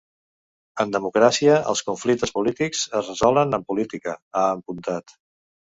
En democràcia, els conflictes polítics es resolen amb política, ha apuntat.